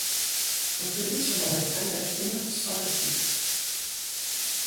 On faisait sur madame Albertine cent récits.